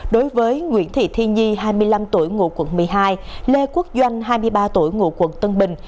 đối với nguyễn thị thi nhi hai mươi năm tuổi ngụ quận một mươi hai lê quốc doanh hai mươi ba tuổi ngụ quận tân bình